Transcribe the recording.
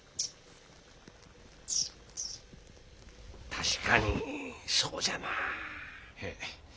・確かにそうじゃな。へえ。